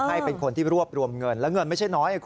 ให้เป็นคนที่รวบรวมเงินแล้วเงินไม่ใช่น้อย